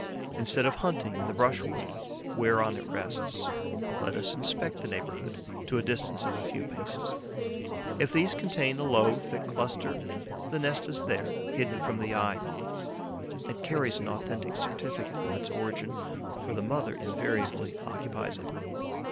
Instead of hunting in the brushwood whereon it rests, let us inspect the neighbourhood, to a distance of a few paces. If these contain a low, thick cluster, the nest is there, hidden from the eye. It carries an authentic certificate of its origin, for the mother invariably occupies it.